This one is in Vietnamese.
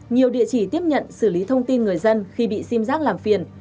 nhiều địa chỉ tiếp nhận xử lý thông tin người dân khi bị sim giác làm phiền